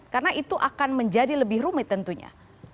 karena itu akan menjadi lebih rumit tentunya